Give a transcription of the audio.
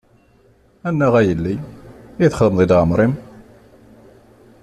A naɣ a yelli, i txedmeḍ i leɛmer-im.